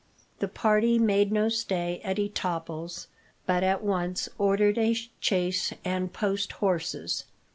The party made no stay at Etaples, but at once ordered a chaise and post horses.